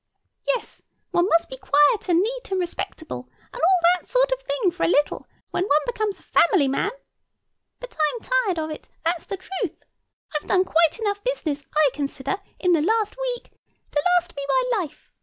"Yes, one must be quiet and neat and respectable, and all that sort of thing for a little, when one becomes a family man. But I'm tired of it, that's the truth. I've done quite enough business, I consider, in the last week, to last me my life.